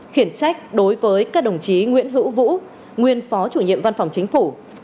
khiển trách đối với các đồng chí nguyễn hữu vũ nguyên phó chủ nhiệm văn phòng chính phủ